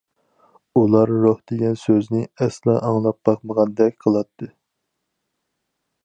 ئۇلار روھ دېگەن سۆزنى ئەسلا ئاڭلاپ باقمىغاندەك قىلاتتى.